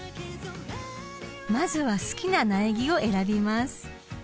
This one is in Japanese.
［まずは好きな苗木を選びます］